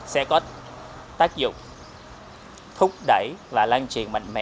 sẽ có tác dụng thúc đẩy và lan truyền mạnh mẽ